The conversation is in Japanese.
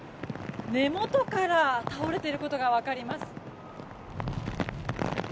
根元から倒れていることが分かります。